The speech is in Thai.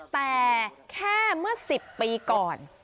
แต่แค่เมื่อ๑๐ปีก่อน